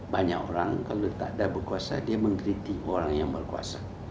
banyak orang kalau takdab berkuasa dia mengkritik orang yang berkuasa